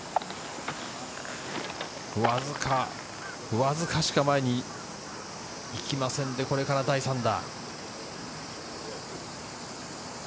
わずかしか前に行きませんで、これから第３打。